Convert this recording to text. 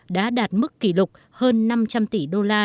đã đạt mức kỷ lục hơn năm trăm linh tỷ đô la